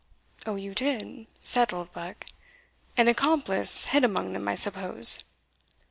"Oh, you did?" said Oldbuck; "an accomplice hid among them, I suppose?"